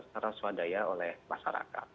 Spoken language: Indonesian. secara swadaya oleh masyarakat